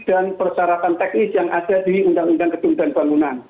dan persyaratan teknis yang ada di undang undang ketua dan pembangunan